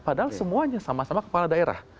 padahal semuanya sama sama kepala daerah